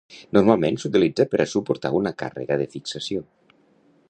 Normalment s'utilitza per a suportar una càrrega de fixació.